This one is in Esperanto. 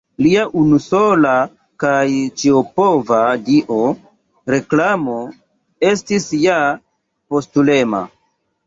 Lia unusola kaj ĉiopova dio, Reklamo, estis ja postulema.